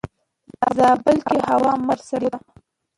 زابل کې هوا مخ پر سړيدو ده.